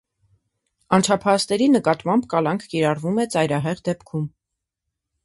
Անչափահասների նկատմամբ կալանք կիրառվում է ծայրահեղ դեպքում։